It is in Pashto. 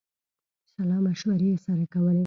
سلامشورې یې سره کولې.